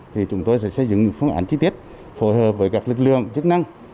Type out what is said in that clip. thì chúng tôi sẽ xây dựng một phương án chi tiết phối hợp với các lực lượng chức năng